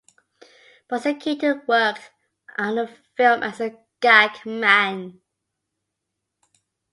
Buster Keaton worked on the film as a gag man.